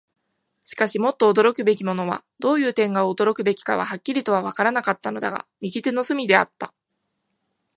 しかし、もっと驚くべきものは、どういう点が驚くべきかははっきりとはわからなかったのだが、右手の隅であった。